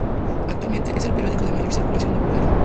Actualmente es el periódico de mayor circulación en Bulgaria.